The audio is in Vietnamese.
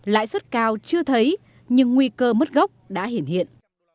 lãi suất cao chưa thấy nhưng nguy cơ mất gốc đã hiện hiện